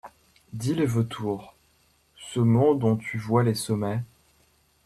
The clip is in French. Dit le vautour. Ce mont dont tu vois les sommets